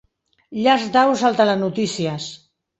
Llars d'aus al Telenotícies.